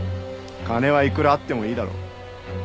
金はいくらあってもいいだろ。